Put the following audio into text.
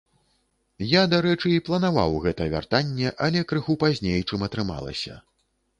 Я, дарэчы, і планаваў гэта вяртанне, але крыху пазней, чым атрымалася.